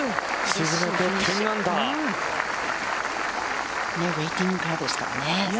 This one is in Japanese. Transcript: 沈めて１０アンダーウエーティングからですからね。